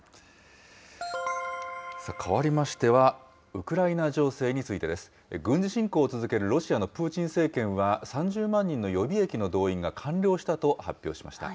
かわりましては、ウクライナ情勢についてです。軍事侵攻を続けるロシアのプーチン政権は、３０万人の予備役の動員が完了したと発表しました。